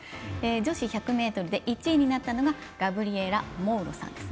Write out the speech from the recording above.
女子１００ｍで１位になったのがガブリエラ・モウロさん。